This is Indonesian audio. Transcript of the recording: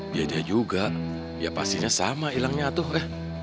dia dia juga ya pastinya sama hilangnya tuh